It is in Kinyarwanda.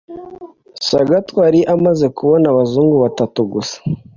Sagatwa yari amaze kubona abazungu batatu gusa.